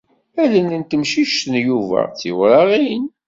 Allen n temcict n Yuba d tiwraɣin.